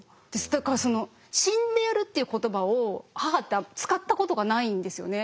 だから「死んでやる」っていう言葉を母って使ったことがないんですよね。